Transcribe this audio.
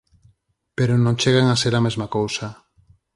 Pero non chegan a ser a mesma cousa.